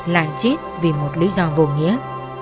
lại chết vì một lý do vô nghĩa